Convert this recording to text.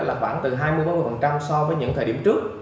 là khoảng từ hai mươi bốn mươi so với những thời điểm trước